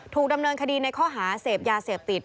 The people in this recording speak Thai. ถูกดำเนินคดีในข้อหาเสพยาเสพติด